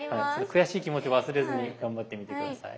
悔しい気持ちを忘れずに頑張ってみて下さい。